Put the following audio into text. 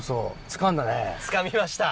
つかみました。